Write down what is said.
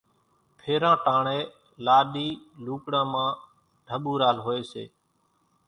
ڦيران ٽاڻيَ لاڏِي لُوڳڙان مان ڍٻورال هوئيَ سي۔